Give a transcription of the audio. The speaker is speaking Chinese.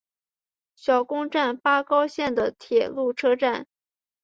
小宫站八高线的铁路车站。